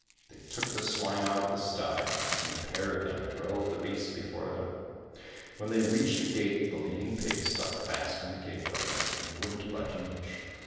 They took the swine out of the sty, and the pair of them drove the beasts before them. When they reached the gate the leading pig stuck fast in the gateway, and wouldn't budge an inch.